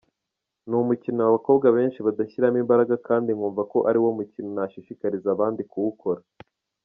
Ni umukino abakobwa benshi badashyiramo imbaraga, kandi nkumva ko ari umukino nashishikariza abandi kuwukora.